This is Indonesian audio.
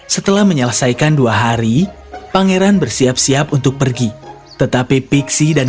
setelah menyelesaikan dua hari pangeran bersiap siap untuk pergi tetapi pixie dan